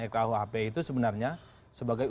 ekhuhp itu sebenarnya sebagai